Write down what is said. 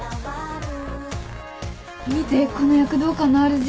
見てこの躍動感のある字。